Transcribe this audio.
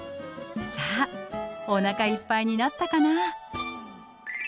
さあおなかいっぱいになったかな。